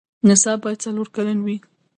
نصاب باید څلور کلن وي.